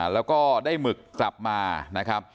แล้วก็ได้หมึกกลับมานะครับ